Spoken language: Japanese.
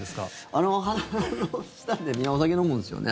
あれ、花の下でみんなお酒飲むんですよね？